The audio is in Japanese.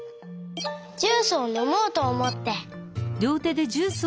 ジュースをのもうとおもって。